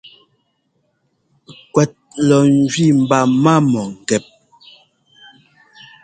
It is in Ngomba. Kuɛt lɔ njẅi mba má mɔ̂ngɛ́p.